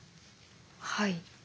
はい。